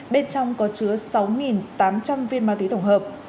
bên trong có chứa sáu tám trăm linh viên ma túy tổng hợp